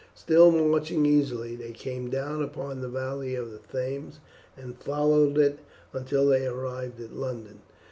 Still marching easily, they came down upon the valley of the Thames and followed it until they arrived at London.